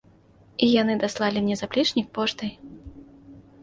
І яны даслалі мне заплечнік поштай.